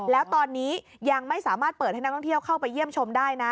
แล้วตอนนี้ยังไม่สามารถเปิดให้นักท่องเที่ยวเข้าไปเยี่ยมชมได้นะ